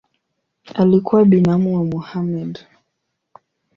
Alikuwa binamu wa Mohamed.